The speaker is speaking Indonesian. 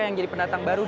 yang jadi pendatang baru